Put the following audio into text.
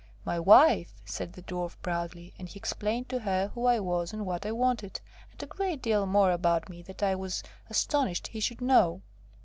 "My wife!" said the Dwarf proudly, and he explained to her who I was and what I wanted, and a great deal more about me that I was astonished he should know.